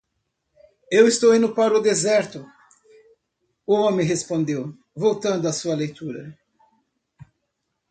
"Eu estou indo para o deserto?" o homem respondeu? voltando a sua leitura.